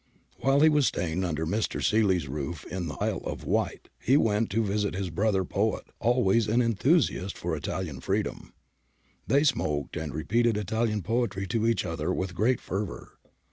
While he was staying under Mr. Seely's roof in the Isle of Wight, he went to visit his brother poet, always an enthusiast for Italian freedom. They smoked and repeated Italian poetry to each other with great fervour.